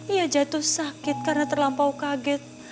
ia jatuh sakit karena terlampau kaget